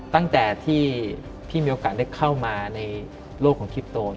ตั้งแต่ที่พี่มีโอกาสได้เข้ามาในโลกของคลิปโตน